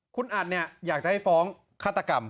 คุณอัดเนี่ยอยากจะให้ฟ้องฆาตกรรม